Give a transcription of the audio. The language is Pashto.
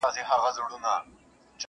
o د دښمن په خوږو خبرو مه تېر وزه!